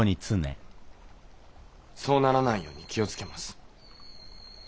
そうならないように気を付けます。